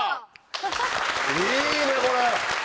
いいねこれ。